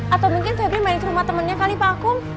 atau mungkin feble menikah rumah temannya kali pak akum